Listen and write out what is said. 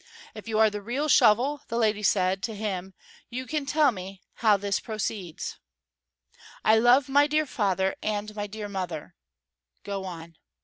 "If you are the real Shovel," the lady said to him, "you can tell me how this proceeds, 'I love my dear father and my dear mother ' Go on."